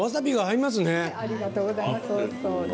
ありがとうございます。